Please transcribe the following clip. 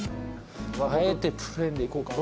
あえてプレーンでいこうかな。